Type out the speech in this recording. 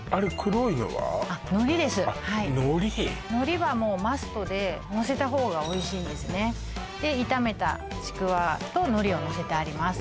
海苔はもうマストでのせた方がおいしいんですねで炒めたちくわと海苔をのせてあります